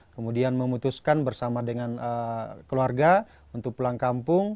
kemudian memutuskan bersama dengan keluarga untuk pulang kampung